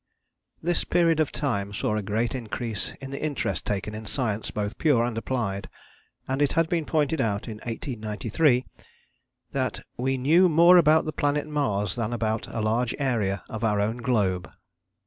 This period of time saw a great increase in the interest taken in science both pure and applied, and it had been pointed out in 1893 that "we knew more about the planet Mars than about a large area of our own globe."